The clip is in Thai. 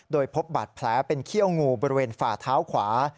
โดยพบบาดแผลเป็นเขี้ยวงูบริเวณฝ่าเท้าขวา